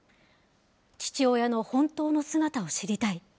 父親の本当の姿を知りたい。